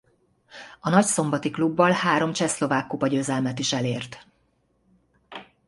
A nagyszombati klubbal három csehszlovák kupa győzelmet is elért.